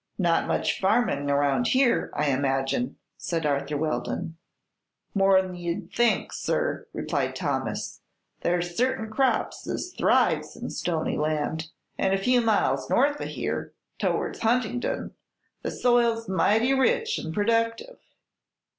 "Not much farming around here, I imagine," said Arthur Weldon. "More than you'd think, sir," replied Thomas. "There's certain crops as thrives in stony land, an' a few miles north o' here, towards Huntingdon, the soil's mighty rich 'n' productive.